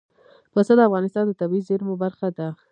پسه د افغانستان د طبیعي زیرمو برخه ده.